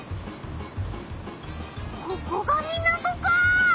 ここが港かあ！